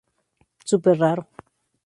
Súper raro.